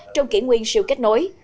trong kỷ nguyên siêu kết nối